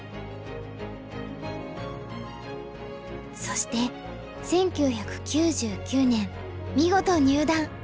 そして１９９９年見事入段！